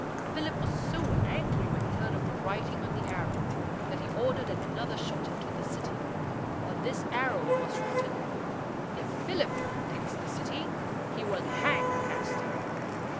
Philip was so angry when he heard of the writing on the arrow, that he ordered another shot into the city. On this arrow was written, "If Philip takes the city, he will hang Aster."